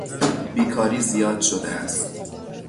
بیکاری زیاد شده است.